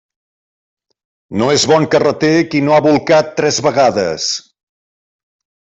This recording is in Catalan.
No és bon carreter qui no ha bolcat tres vegades.